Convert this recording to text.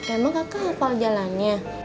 emang kakak hafal jalannya